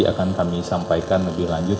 akan kami sampaikan lebih lanjut